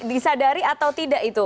disadari atau tidak itu